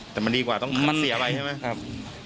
แต่มันดีกว่าต้องขัดเสี่ยไปใช่ไหม